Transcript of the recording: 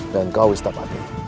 dan kau istapati